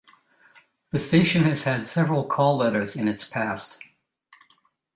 The station has had several call letters in its past.